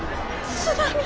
津波！？